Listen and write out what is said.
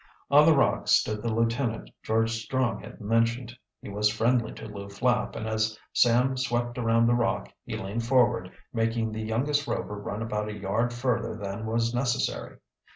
On the rock stood the lieutenant George Strong had mentioned. He was friendly to Lew Flapp and as Sam swept around the rock, he leaned forward, making the youngest Rover run about a yard further than was necessary.